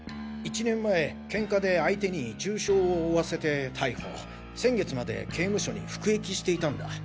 １年前ケンカで相手に重傷を負わせて逮捕先月まで刑務所に服役していたんだ。